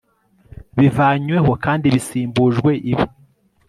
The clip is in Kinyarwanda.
bivanyweho kandi bisimbujwe ibi